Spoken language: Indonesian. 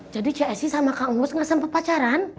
jadi cik esih sama kak ngus gak sempet pacaran